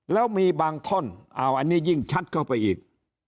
แล้วมีบางท่อนอันนี้ยิ่งชัดเข้าไปอีก